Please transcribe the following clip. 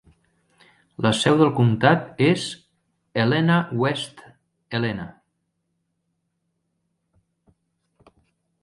La seu del comtat és Helena-West Helena.